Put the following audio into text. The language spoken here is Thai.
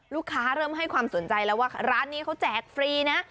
เริ่มให้ความสนใจแล้วว่าร้านนี้เขาแจกฟรีนะ